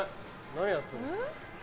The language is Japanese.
何やってんの？え？